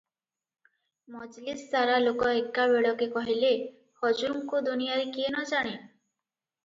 "ମଜଲିସ୍ ସାରା ଲୋକ ଏକାବେଳକେ କହିଲେ ହଜୁରଙ୍କୁ ଦୁନିଆଁରେ କିଏ ନ ଜାଣେ?